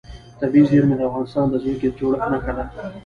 طبیعي زیرمې د افغانستان د ځمکې د جوړښت نښه ده.